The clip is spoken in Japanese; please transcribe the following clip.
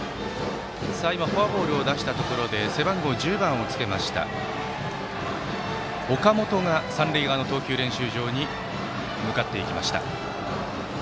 今、フォアボールを出したところで背番号１０番をつけた岡本が三塁側の投球練習場に向かっていきました。